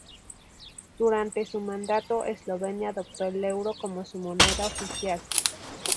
Durante su mandato, Eslovenia adoptó el euro como su moneda oficial.